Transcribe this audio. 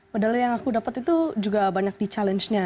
medali yang aku dapat itu juga banyak di challenge nya